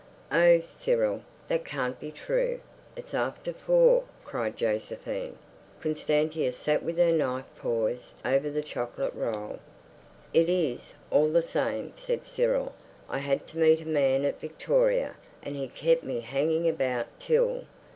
"Oh, Cyril, that can't be true! It's after four," cried Josephine. Constantia sat with her knife poised over the chocolate roll. "It is, all the same," said Cyril. "I had to meet a man at Victoria, and he kept me hanging about till...